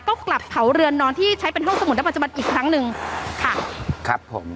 ก็กลับเผาเรือนนอนที่ใช้เป็นห้องสมุดได้ปัจจุบันอีกครั้งหนึ่งค่ะครับผม